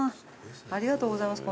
ありがとうございます。